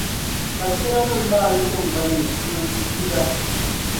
Ka sihiranim’ maa lu tiŋgbani ni n-niŋ suzuuda.